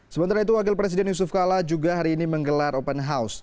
sementara itu wakil presiden yusuf kala juga hari ini menggelar open house